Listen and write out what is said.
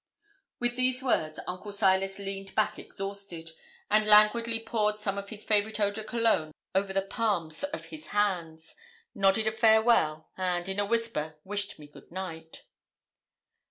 With these words Uncle Silas leaned back exhausted, and languidly poured some of his favourite eau de cologne over the palms of his hands, nodded a farewell, and, in a whisper, wished me good night.